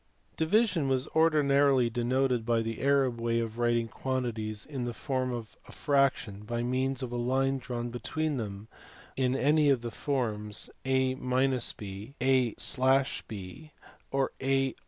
Division was ordinarily denoted by the Arab way of writing the quantities in the form of a fraction by means of a line drawn between them in any of the forms a b, a/b, or j